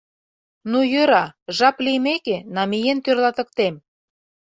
Ну, йӧра, жап лиймеке, намиен тӧрлатыктем.